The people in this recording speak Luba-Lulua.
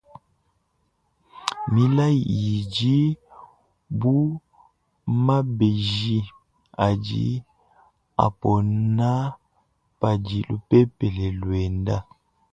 Milayi idi bu mabeji, adi apona padi lupepele luenda.